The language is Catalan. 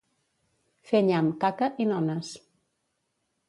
Fer nyam, caca i nones.